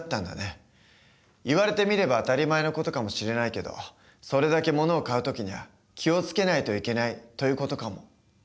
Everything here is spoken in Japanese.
言われてみれば当たり前の事かもしれないけどそれだけものを買う時には気を付けないといけないという事かも。